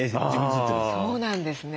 そうなんですね。